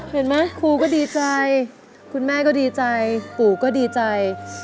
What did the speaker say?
เห็นไหมครูก็ดีใจคุณแม่ก็ดีใจปู่ก็ดีใจ